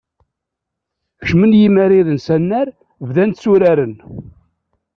Kecmen yimariren s anrar, bdan tturaren.